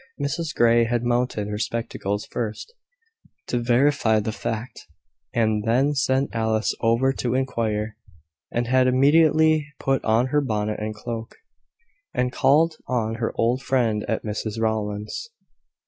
Mrs Grey had mounted her spectacles first, to verify the fact, and then sent Alice over to inquire, and had immediately put on her bonnet and cloak, and called on her old friend at Mrs Rowland's.